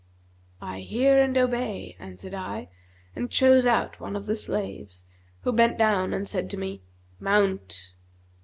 'I hear and obey,' answered I and chose out one of the slaves, who bent down and said to me, 'Mount.'